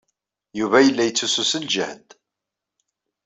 Yuba yella yettusu s ljehd.